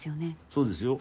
そうですよ。